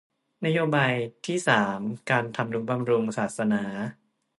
นโยบายที่สามการทำนุบำรุงศาสนา